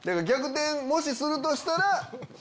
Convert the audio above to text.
逆転もしするとしたら。